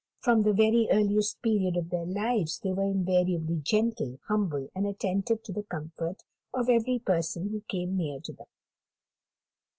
From the very earliest period of their lives they were invariably gentle, humble, and attentive to the comfort of every person who came near to them."